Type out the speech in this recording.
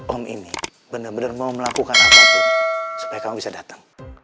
om ini bener bener mau melakukan apapun supaya kamu bisa dateng